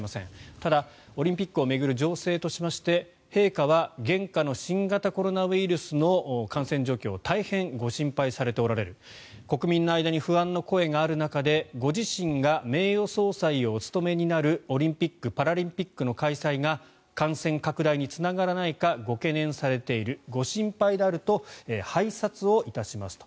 ただ、オリンピックを巡る情勢としまして陛下は現下の新型コロナウイルスの感染状況を大変ご心配されておられる国民の間に不安の声がある中でご自身が名誉総裁をお務めになるオリンピック・パラリンピックの開催が感染拡大につながらないかご懸念されているご心配であると拝察をいたしますと。